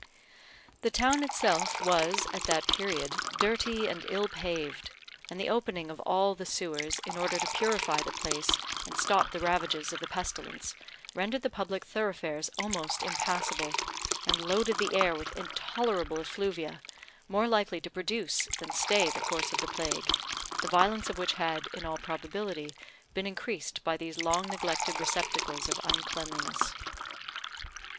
The town itself was, at that period, dirty and ill paved; and the opening of all the sewers, in order to purify the place and stop the ravages of the pestilence, rendered the public thoroughfares almost impassable, and loaded the air with intolerable effluvia, more likely to produce than stay the course of the plague, the violence of which had, in all probability, been increased by these long neglected receptacles of uncleanliness.